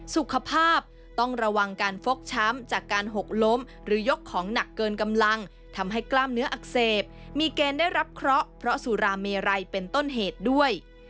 สุขภาพต้องระวังการฟกช้ำจากการหกล้มหรือยกของหนักเกินกำลังทำให้กล้ามเนื้ออักเสบมีเกณฑ์ได้รับเคราะห์เพราะสุราเมไรเป็นต้นเหตุด้วย